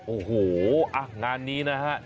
โอ้โหงานนี้นะฮะ